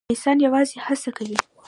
انسان یوازې هڅه کوي